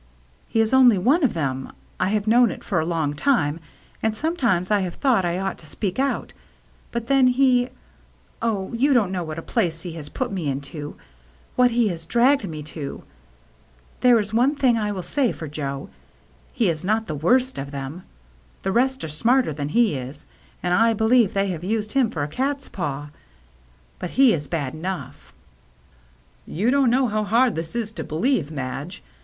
"He is only one of them. I have known it for a long time, and sometimes I have thought I ought to speak out, but then he — oh, you don't know what a place he has put me into — what he has dragged me to ! There is one thing I will say for Joe, — he is not the worst of them. The rest are smarter than he is, and I believe they have used him for a cat's paw. But he is bad enough." "You don't know how hard this is to be lieve, Madge.